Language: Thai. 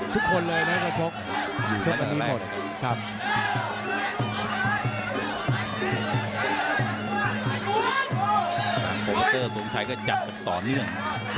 โปรเมอเตอร์สุดท้ายก็จัดกับต่อเนื่อง